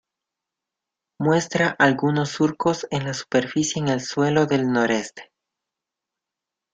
Muestra algunos surcos en la superficie en el suelo del noreste.